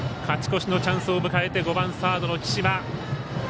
勝ち越しのチャンスを迎えて５番サードの貴島。